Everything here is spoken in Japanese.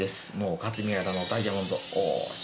霞ヶ浦のダイヤモンド。